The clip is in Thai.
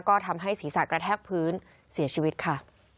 ก็ทำให้ศีรษะกระแทกพื้นเสียชีวิตค่ะ